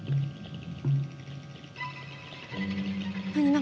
何？